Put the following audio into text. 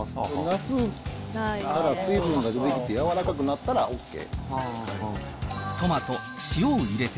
なすから水分が出てきて柔らかくなったらＯＫ。